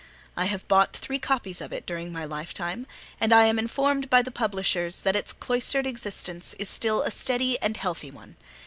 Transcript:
I have bought three copies of it during my lifetime; and I am informed by the publishers that its cloistered existence is still a steady and healthy one.